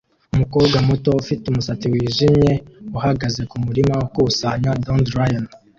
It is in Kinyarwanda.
Umukobwa muto ufite umusatsi wijimye uhagaze kumurima ukusanya dandelion